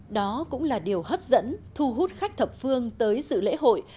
đó cũng là điều hấp dẫn thu hút khách thập phương tới sự lễ hội